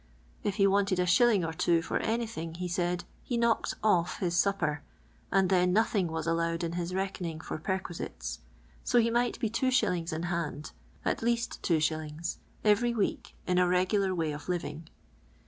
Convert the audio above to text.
If he wanted a shilling or two for anything, he said, he knocked off his Hupper, and then nothing was allowed in his reckoning for perquisites, so he might be 2s. in hand, at least 2s., every week in a regular way of living.